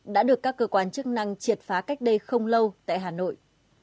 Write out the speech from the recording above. đã được các cơ quan chức năng triệt phá cách đây không lâu tại hà nội